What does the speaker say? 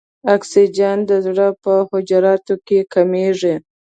اکسیجن د زړه په حجراتو کې کمیږي.